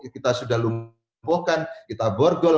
kita sudah lumuhkan kita borgol